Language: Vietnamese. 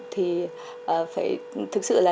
thì thực sự là